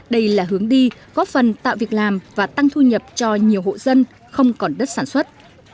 đây là hướng đi góp phần tạo việc làm và tăng thu nhập cho nhiều hộ dân không còn đất sản xuất